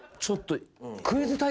ちょっと。